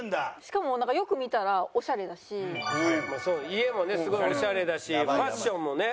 家もねすごいオシャレだしファッションもね